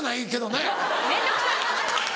面倒くさい！